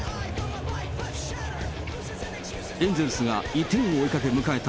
エンゼルスが１点を追いかけ迎えた